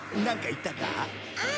うん？